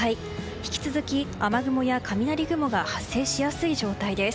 引き続き、雨雲や雷雲が発生しやすい状態です。